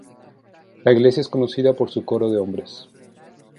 La iglesia es conocida por su coro de hombres.